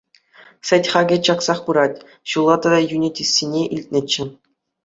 Сӗт хакӗ чаксах пырать, ҫулла тата йӳнетессине илтнӗччӗ.